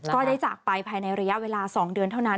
ก็ได้จากไปภายในระยะเวลา๒เดือนเท่านั้น